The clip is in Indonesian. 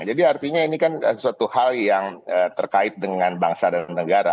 jadi artinya ini kan suatu hal yang terkait dengan bangsa dan negara